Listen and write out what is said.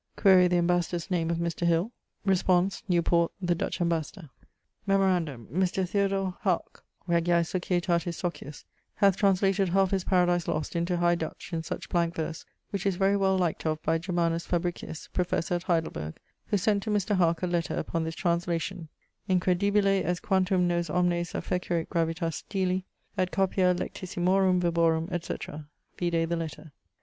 [XXIV.] Quaere the ambassador's name of Mr. Hill? Resp., Newport, the Dutch ambassador. Memorandum: Mr. Theodore Haak, Regiae Societatis Socius, hath translated halfe his Paradise Lost into High Dutch in such blank verse, which is very well liked of by Germanus Fabricius, Professor at Heidelberg, who sent to Mr. Haak a letter upon this translation: 'incredibile est quantum nos omnes affecerit gravitas styli, et copia lectissimorum verborum,' etc. vide the letter.